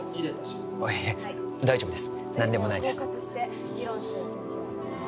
いや大丈夫です何でもないです